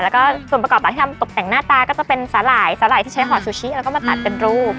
แล้วก็ส่วนประกอบหลักที่ทำตกแต่งหน้าตาก็จะเป็นสาหร่ายสาหร่ายที่ใช้ห่อซูชิแล้วก็มาตัดเป็นรู